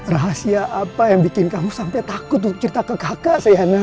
rahasia apa yang bikin kamu sampai takut untuk cerita ke kakak saya